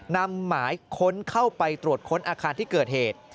นำหมายค้นเข้าไปตรวจค้นอาคารที่เกิดเหตุ